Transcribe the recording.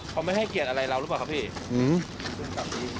เขาไม่ให้เกียรติอะไรเราหรือเปล่าครับพี่